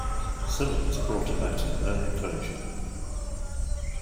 Simmons brought about an early closure..